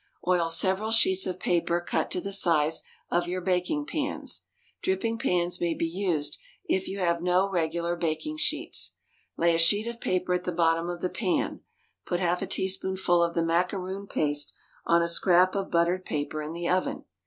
Oil several sheets of paper cut to the size of your baking pans. Dripping pans may be used if you have no regular baking sheets. Lay a sheet of paper at the bottom of the pan. Put half a teaspoonful of the macaroon paste on a scrap of buttered paper in the oven.